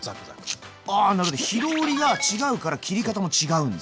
あなるほど火通りが違うから切り方も違うんだ。